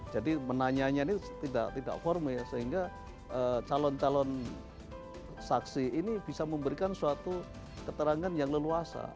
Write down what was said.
jadi menanyanya ini tidak formel sehingga calon calon saksi ini bisa memberikan suatu keterangan yang leluasa